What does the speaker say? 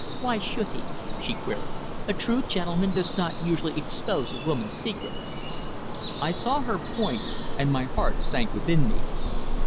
"Why should he?" she queried. "A true gentleman does not usually expose a woman's secret." I saw her point, and my heart sank within me.